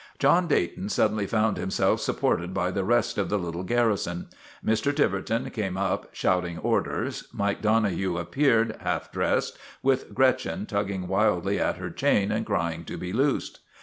John Dayton suddenly found himself supported by the rest of the little garrison. Mr. Tiverton came up, shouting orders. Mike Donohue appeared, half dressed, with Gretchen tugging wildly at her chain and crying to be loosed.